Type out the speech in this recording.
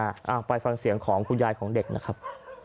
เอาไปฟังเสียงของคุณยายของเด็กนะครับ